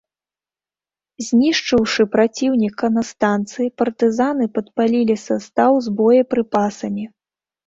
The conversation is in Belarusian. Знішчыўшы праціўніка на станцыі, партызаны падпалілі састаў з боепрыпасамі.